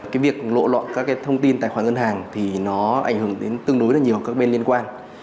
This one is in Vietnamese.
cái việc lộ lọt các cái thông tin tài khoản ngân hàng thì nó ảnh hưởng đến tương đối là nhiều các bên liên quan